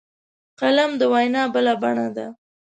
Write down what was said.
قلم د وینا بله بڼه ده